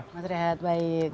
selamat rehat baik